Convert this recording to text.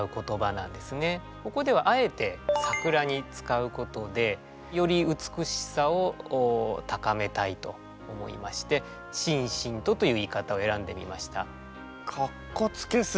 ここではあえて桜に使うことでより美しさを高めたいと思いまして「しんしんと」という言い方を選んでみました。